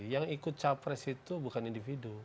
yang ikut capres itu bukan individu